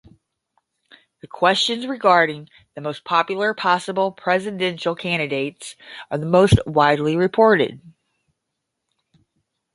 The questions regarding the most popular possible presidential candidates are the most widely reported.